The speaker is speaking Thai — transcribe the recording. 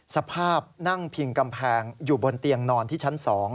สภาพนั่งพิงกำแพงอยู่บนเตียงนอนที่ชั้น๒